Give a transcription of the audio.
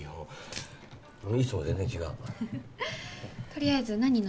とりあえず何飲む？